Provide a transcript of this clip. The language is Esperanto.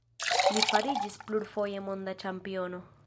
Li fariĝis plurfoje monda ĉampiono.